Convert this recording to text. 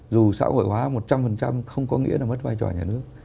dù xã hội hóa một trăm phần trăm không có nghĩa là mất vai trò nhà nước